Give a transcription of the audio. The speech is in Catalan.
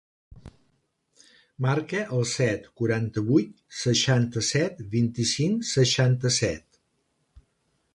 Marca el set, quaranta-vuit, seixanta-set, vint-i-cinc, seixanta-set.